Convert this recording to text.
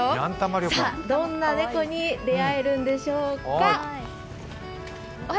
さあ、どんな猫に出会えるんでしょうか。